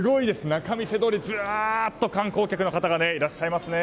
仲見世通りずらっと観光客の方がいらっしゃいますね。